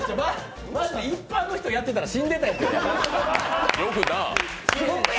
マジで一般の人やってたら死んでたよ。